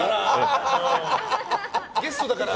ゲストだから！